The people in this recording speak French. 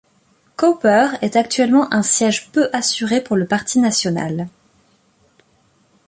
Cowper est actuellement un siège peu assuré pour le Parti national.